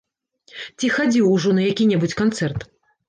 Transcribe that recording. Ці хадзіў ужо на які-небудзь канцэрт?